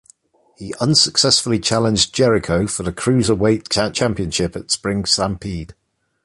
He unsuccessfully challenged Jericho for the Cruiserweight Championship at Spring Stampede.